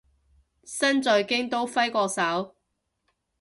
身在京都揮個手